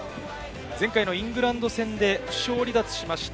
前回のイングランド戦で負傷離脱しました